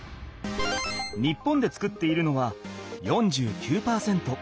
日本で作っているのは４９％。